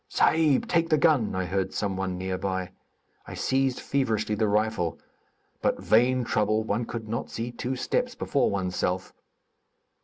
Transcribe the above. "Saaïb, take the gun," I heard some one near by. I seized feverishly the rifle, but, vain trouble, one could not see two steps before oneself.